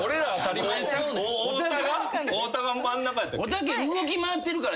太田が真ん中やったっけ？